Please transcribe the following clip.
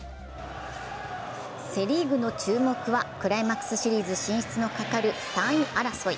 セ・リーグの注目は、クライマックスシリーズ進出のかかる３位争い。